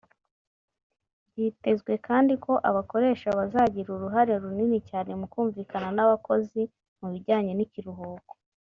Byitezwe kandi ko abakoresha bazagira uruhare runini cyane mu kumvikana n’abakozi ku bijyanye n’ikiruhuko